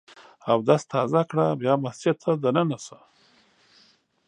اودس تازه کړه ، بیا مسجد ته دننه سه!